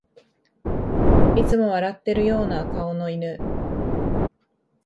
いつも笑ってるような顔の犬